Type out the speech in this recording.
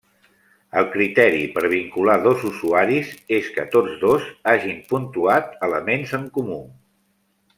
El criteri per vincular dos usuaris és que tots dos hagin puntuat elements en comú.